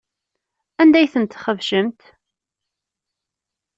Anda ay tent-txebcemt?